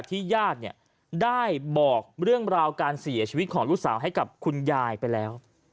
ญาติเนี่ยได้บอกเรื่องราวการเสียชีวิตของลูกสาวให้กับคุณยายไปแล้ว